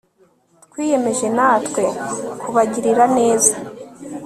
twiyemeje natwe kubagirira neza